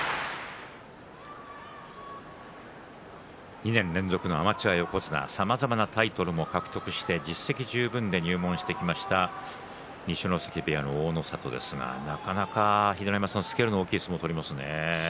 ２年連続のアマチュア横綱さまざまなタイトルも獲得して実績十分で入門してきました二所ノ関部屋の大の里ですがなかなかスケールの大きい相撲を取りますね。